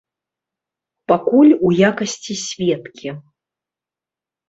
Пакуль у якасці сведкі.